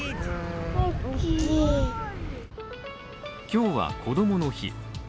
今日はこどもの日。